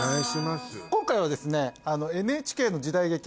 今回はですね。